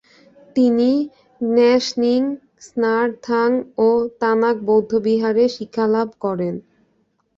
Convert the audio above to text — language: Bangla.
তিনি গ্নাস-র্ন্যিং, স্নার-থাং ও তানাক বৌদ্ধবিহারে শিক্ষালাভ করেন।